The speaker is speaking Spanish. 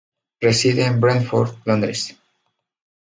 Reside en Brentford, Londres.